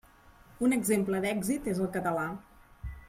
Un exemple d'èxit és el català.